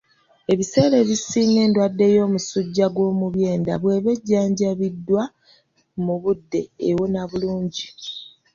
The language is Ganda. Ebiseera ebisinga endwadde y'omusujja gw'omu byenda bw'eba ejjanjabiddwa mu budde ewona bulungi